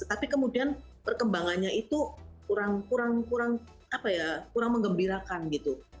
tapi kemudian perkembangannya itu kurang mengembirakan gitu